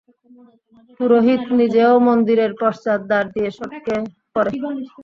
পুরোহিত নিজেও মন্দিরের পশ্চাৎ দ্বার দিয়ে সটকে পড়ে।